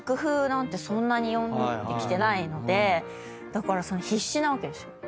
だから必死なわけですよ。